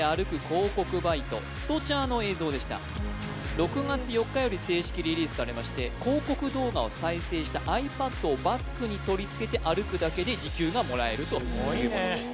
広告バイトＳｔｃｈａｒ！の映像でした６月４日より正式リリースされまして広告動画を再生したｉＰａｄをバッグに取り付けて歩くだけで時給がもらえるということです